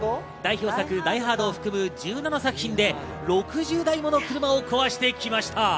代表作『ダイハード』を含む１７作品で６０台もの車を壊してきました。